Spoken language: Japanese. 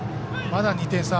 まだ２点差。